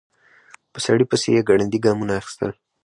په سړي پسې يې ګړندي ګامونه اخيستل.